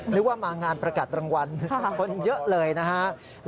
นึกว่ามางานประกัดรางวัลคนเยอะเลยนะฮะ